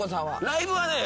ライブはね